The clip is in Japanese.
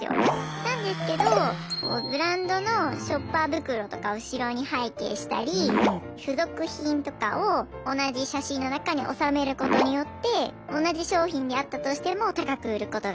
なんですけどブランドのショッパー袋とか後ろに背景したり付属品とかを同じ写真の中におさめることによって同じ商品であったとしても高く売ることができます。